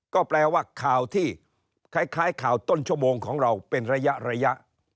ก็แปลว่าข่าวที่คล้ายข่าวต้นชั่วโมงของเราเป็นระยะ